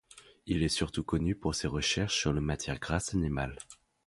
Il est surtout connu pour ses recherches sur les matières grasses animales.